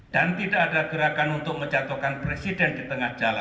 dan tidak ada gerakan untuk menjatuhkan presiden di negeri ini